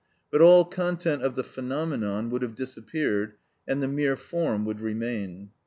But all content of the phenomenon would have disappeared, and the mere form would remain.